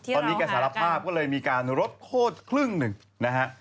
ที่เราหาอาการตอนนี้การสารภาพมีการลบโคตรครึ่งหนึ่งนะฮะ